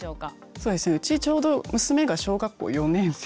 そうですねうちちょうど娘が小学校４年生で。